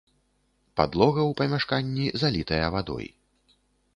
Падлога ў памяшканні залітая вадой.